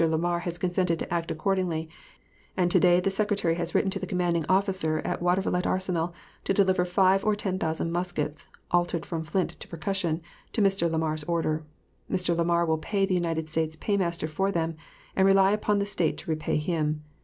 Lamar has consented to act accordingly, and to day the Secretary has written to the commanding officer [at] Watervliet Arsenal to deliver five or ten thousand muskets (altered from flint to percussion) to Mr. Lamar's order. Mr. Lamar will pay the United States paymaster for them, and rely upon the State to repay him.